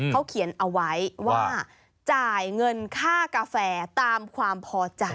เขาเขียนเอาไว้ว่าจ่ายเงินค่ากาแฟตามความพอใจ